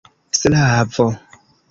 slavo